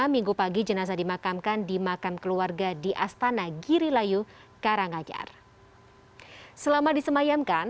minggu pagi jenazah dimakamkan di makam keluarga di astana girilayu karanganyar selama disemayamkan